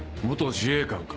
自衛官か。